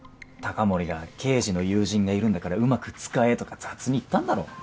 高森が刑事の友人がいるんだからうまく使えとか雑に言ったんだろ？